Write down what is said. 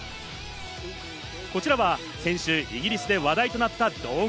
こちらは先週イギリスで話題となった動画。